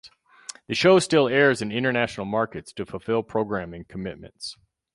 The show still airs in international markets to fulfil programming commitments.